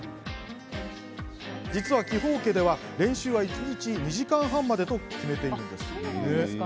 実は木方家では練習は一日２時間半までと決めているんです。